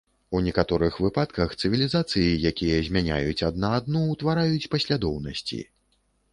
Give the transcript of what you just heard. У некаторых выпадках, цывілізацыі, якія змяняюць адна адну ўтвараюць паслядоўнасці.